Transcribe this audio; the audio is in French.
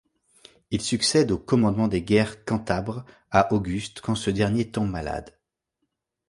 Il succède au commandement des guerres cantabres à Auguste quand ce dernier tombe malade.